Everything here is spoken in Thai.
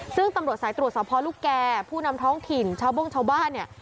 ซึ่งตำรวจสายตรวจสอบพ่อลูกแก่ผู้นำท้องถิ่นชาวโบ้งชาวบ้านเนี่ย